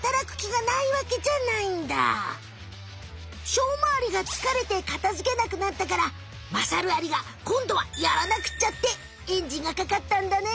しょうまアリが疲れて片づけなくなったからまさるアリがこんどはやらなくっちゃってエンジンがかかったんだね。